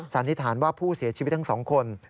สันนิษฐานว่าผู้เสียชีวิตทั้งสองคน